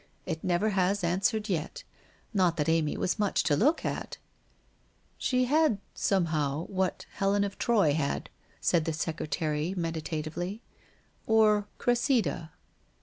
It never has answered yet. Not that Amy was much to look at !'' She had — somehow — what Helen of Troy had,' said the secretary meditatively ;' or Cressida.'